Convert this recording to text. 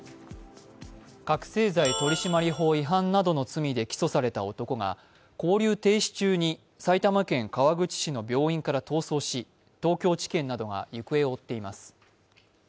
覚醒剤取締法違反などの罪で起訴された男が勾留停止中に埼玉県川口市の病院から逃走し東京地検などが行方を追っています。